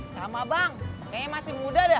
sama bang kayaknya masih muda deh